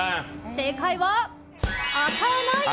正解は、開かない。